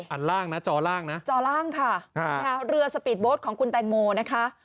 อันล่างนะจอล่างนะจอล่างค่ะเรือสปีดโบ๊ทของคุณแตงโมนะคะ